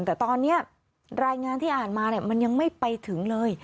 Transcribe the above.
แต่ตอนนี้รายงานที่อ่านมามันยังไม่ไปถึงเลย